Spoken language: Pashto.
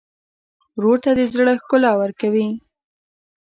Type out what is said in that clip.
ورور ته د زړه ښکلا ورکوې.